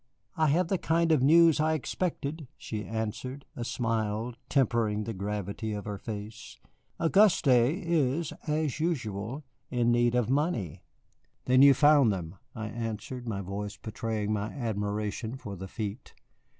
"I have the kind of news I expected," she answered, a smile tempering the gravity of her face; "Auguste is, as usual, in need of money." "Then you have found them," I answered, my voice betraying my admiration for the feat.